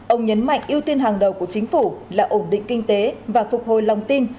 ông nhấn mạnh ưu tiên hàng đầu của chính phủ là ổn định kinh tế và phục hồi lòng tin